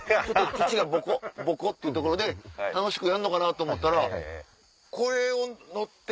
土がボコボコっていう所で楽しくやんのかなと思ったらこれを乗って。